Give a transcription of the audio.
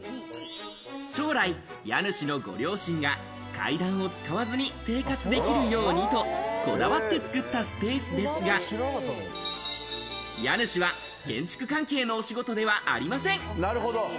将来、家主のご両親が、階段を使わずに生活できるようにとこだわって作ったスペースですが、家主は建築関係のお仕事ではありません。